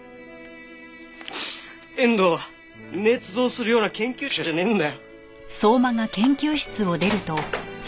遠藤は捏造するような研究者じゃねえんだよ。